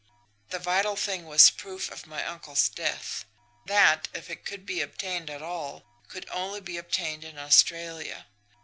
"The vital thing was proof of my uncle's death. That, if it could be obtained at all, could only be obtained in Australia.